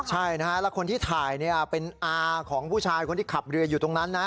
ใช่นะฮะแล้วคนที่ถ่ายเป็นอาของผู้ชายคนที่ขับเรืออยู่ตรงนั้นนะ